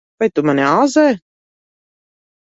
Vai tu mani āzē?